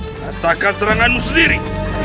rasakan seranganmu sendiri